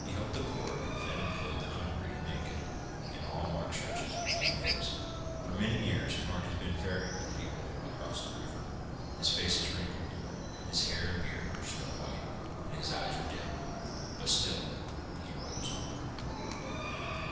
He helped the poor and fed and clothed the hungry and naked and all Mark's riches became his. For many years Mark has been ferrying people across the river. His face is wrinkled, his hair and beard are snow white, and his eyes are dim; but still he rows on.